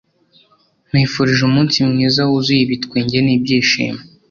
nkwifurije umunsi mwiza wuzuye ibitwenge n'ibyishimo